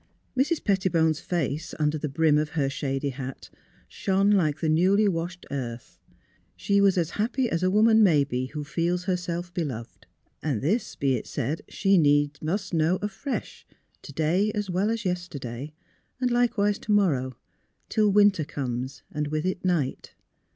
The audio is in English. Mrs. Pettibone's face, under the brim of her shady hat, shone like the newly washed earth. She was as happy as a woman may be who feels herself beloved. And this, be it said, she needs must know afresh, to day, as well as yesterday, and likewise to morrow, till winter comes and with it night.